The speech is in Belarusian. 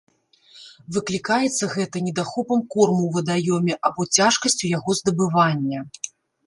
Выклікаецца гэта недахопам корму ў вадаёме або цяжкасцю яго здабывання.